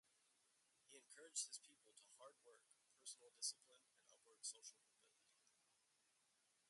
He encouraged his people to hard work, personal discipline, and upward social mobility.